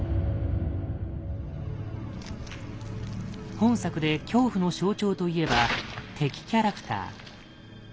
本作で恐怖の象徴といえば「敵キャラクター」。